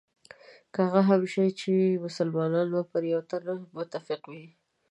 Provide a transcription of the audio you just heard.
که هغه هم شهید شي مسلمانان به پر یوه تن متفق وي.